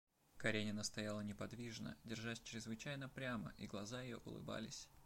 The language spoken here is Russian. Каренина стояла неподвижно, держась чрезвычайно прямо, и глаза ее улыбались.